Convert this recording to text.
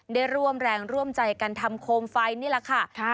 ได้ร่วมแรงร่วมใจกันทำโคมไฟนี่แหละค่ะ